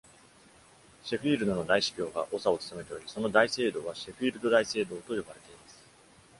シェフィールドの大司教が長を務めており、その大聖堂はシェフィールド大聖堂と呼ばれています。